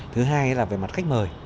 thứ hai là về mặt khách mời